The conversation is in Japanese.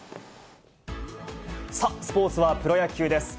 さあ、スポーツはプロ野球です。